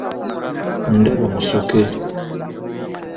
Ndaba Musoke.